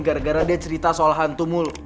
gara gara dia cerita soal hantu mul